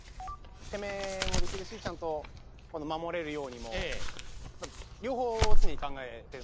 攻めもできるしちゃんと守れるようにも両方常に考えていましたね。